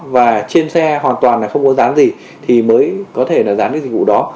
và trên xe hoàn toàn là không có dán gì thì mới có thể là dán cái dịch vụ đó